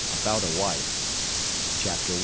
ABOUT A WIFE. CHAPTER I.